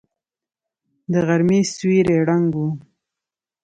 د غرمې سيوری ړنګ و.